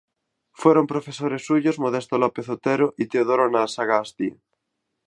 Fueron profesores suyos Modesto López Otero y Teodoro Anasagasti.